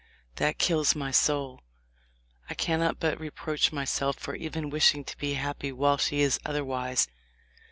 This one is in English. That kills my soul. I cannot but reproach myself for even wishing to be happy while she is otherwise.